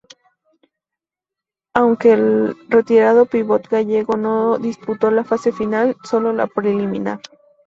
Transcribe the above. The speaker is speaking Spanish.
Aunque el retirado pívot gallego no disputó la fase final, sólo la preliminar.